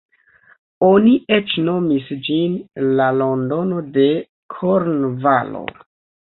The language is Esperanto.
Oni eĉ nomis ĝin "La Londono de Kornvalo".